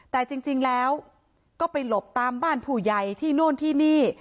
แต่จริงแล้วก็ไปหลบตามบ้านผู้ใหญ่ที่โน่นที่นี่